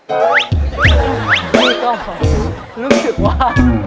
พี่ก็รู้สึกว่า